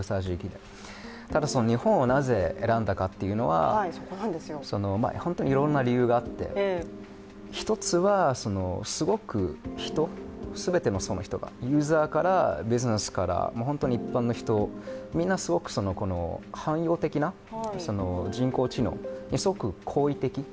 ただ、日本をなぜ選んだかというのは本当にいろんな理由があって一つは、すごく、人、全ての人、ユーザーからビジネスから、日本の人みんなすごく汎用的な人工知能にすごく好意的。